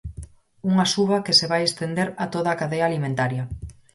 Unha suba que se vai estender a toda a cadea alimentaria.